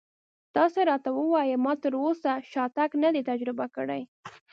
تاسې راته ووایئ ما تراوسه شاتګ نه دی تجربه کړی.